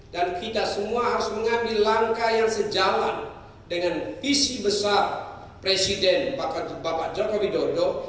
dan kita semua harus mengambil langkah yang sejalan dengan visi besar presiden bapak jokowi dodo